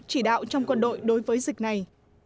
chỉ đạo trong quân đội đối với dịch này